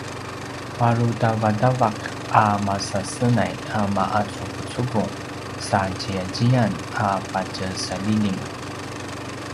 parutavatavak a masasenay a ma’acuvucuvung sa ziyaziyan a patjesalilim